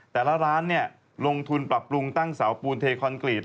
แต่ละร้านลงทุนปรับปรุงตั้งเสาปูนเทคอนกรีต